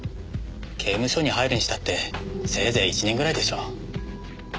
刑務所に入るにしたってせいぜい１年ぐらいでしょ。